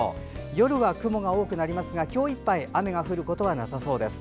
夜は雲が多くなりますが今日いっぱい雨が降ることはなさそうです。